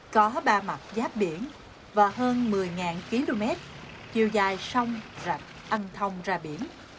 có ba mặt giáp biển và hơn một mươi km chiều dài sông rạch ân thông ra biển